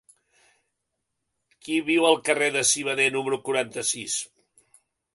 Qui viu al carrer del Civader número quaranta-sis?